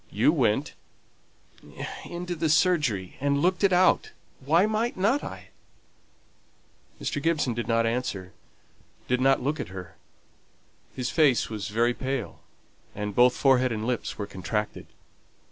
You went " "Into the surgery, and looked it out. Why might not I?" Mr. Gibson did not answer did not look at her. His face was very pale, and both forehead and lips were contracted.